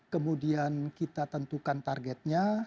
kemudian kita tentukan targetnya